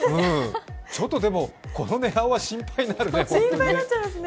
ちょっとでも、この寝顔は心配になっちゃうね。